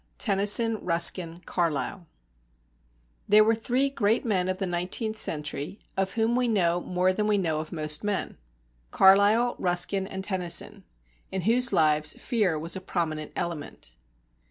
XII TENNYSON, RUSKIN, CARLYLE There were three great men of the nineteenth century of whom we know more than we know of most men, Carlyle, Ruskin, and Tennyson, in whose lives fear was a prominent element.